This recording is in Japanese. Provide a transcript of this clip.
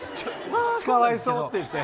かわいそうって言って。